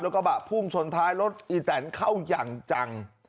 กระบะพุ่งชนท้ายรถอีแตนเข้าอย่างจัง